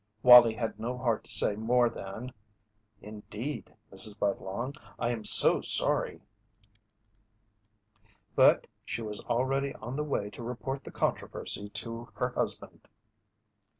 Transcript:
Wallie had no heart to say more than: "Indeed, Mrs. Budlong, I am so sorry " But she was already on the way to report the controversy to her husband.